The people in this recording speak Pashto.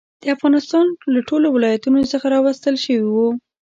د افغانستان له ټولو ولایتونو څخه راوستل شوي وو.